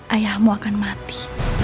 ayahmu akan mati